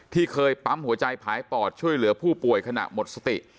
ที่เคยปั๊มหัวใจผายปอดช่วยเหลือผู้ป่วยขณะหมดสติ